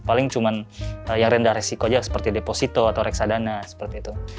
paling cuma yang rendah resiko aja seperti deposito atau reksadana seperti itu